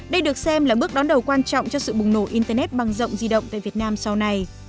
đây được xem là bước đón đầu quan trọng cho sự bùng nổ internet băng rộng di động tại việt nam sau này